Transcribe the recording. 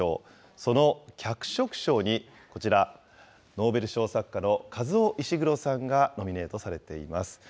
その脚色賞にこちら、ノーベル賞作家のカズオ・イシグロさんがノミネートされています。